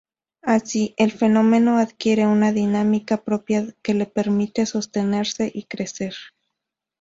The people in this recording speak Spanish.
Así, el fenómeno adquiere una dinámica propia que le permite sostenerse y crecer.